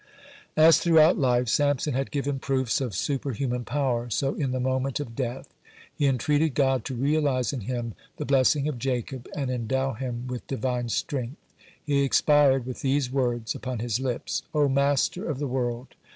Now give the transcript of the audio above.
(121) As throughout life Samson had given proofs of superhuman power, so in the moment of death. He entreated God to realize in him the blessing of Jacob, (122) and endow him with Divine strength. (123) He expired with these words upon his lips: "O Master of the world!